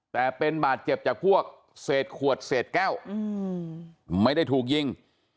แต่เป็นบาดเจ็บจากพวกเศษขวดเศษแก้วไม่ได้ถูกยิง